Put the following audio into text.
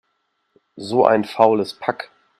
So ein faules Pack!